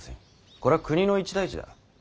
これは国の一大事だ。